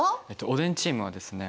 おでんチームはですね